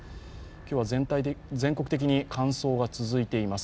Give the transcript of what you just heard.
今日は全国的に乾燥が続いています。